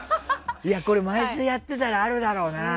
これ、毎週やってたらあるだろうな。